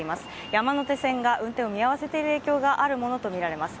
山手線が運転を見合わせている影響があるものとみられます。